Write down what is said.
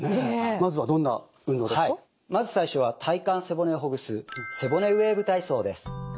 まず最初は体幹背骨をほぐす背骨ウェーブ体操です。